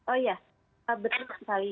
oh iya betul